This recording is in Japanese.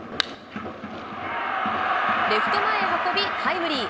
レフト前へ運び、タイムリー。